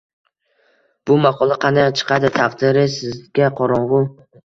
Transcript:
Bu maqola qanday chiqadi, taqdiri sizga qorong‘u.